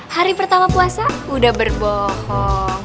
hari pertama puasa udah berbohong